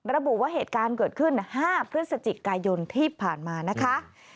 ระบุว่าเหตุการณ์เกิดขึ้น๕พฤศจิกายนที่ผ่านมานะคะ